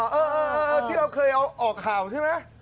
เออที่เราเคยเอาออกข่าวใช่ไหม